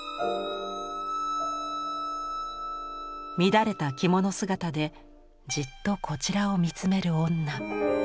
乱れた着物姿でじっとこちらを見つめる女。